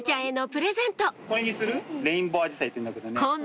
レインボーアジサイっていうんだけどね。